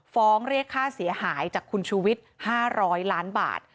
เรียกค่าเสียหายจากคุณชูวิทย์๕๐๐ล้านบาท